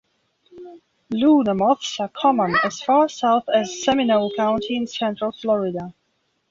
"Luna" moths are common as far south as Seminole County in central Florida.